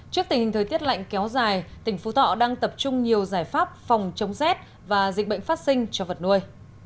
trước tình hình thời tiết lạnh kéo dài tỉnh phú thọ đang tập trung nhiều giải pháp phòng chống rét và dịch bệnh phát sinh cho vật nuôi